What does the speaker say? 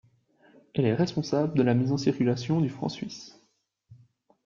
Elle est responsable de la mise en circulation du franc suisse.